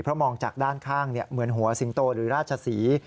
เพราะมองจากด้านข้างเหมือนหัวสิงโตหรือราชศรี